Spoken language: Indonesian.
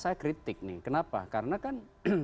saya kritik nih kenapa karena kan